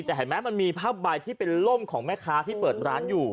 แต่มีภาคบาลที่เป็นลมของแม่ค้าที่เปิดร้านอยู่